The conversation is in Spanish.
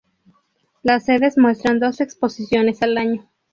Las sedes muestran dos exposiciones al año.